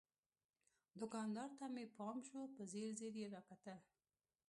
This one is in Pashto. دوکاندار ته مې پام شو، په ځیر ځیر یې را کتل.